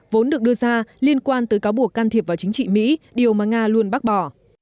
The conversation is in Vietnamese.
vốn được đưa ra liên quan tới cáo buộc can thiệp vào chính trị mỹ điều mà nga luôn bác bỏ